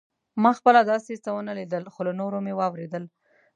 ما خپله داسې څه ونه لیدل خو له نورو مې واورېدل.